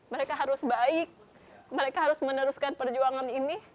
mereka harus baik mereka harus meneruskan perjuangan ini